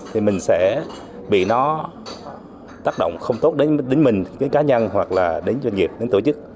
thì mình sẽ bị nó tác động không tốt đến mình đến cá nhân hoặc là đến doanh nghiệp đến tổ chức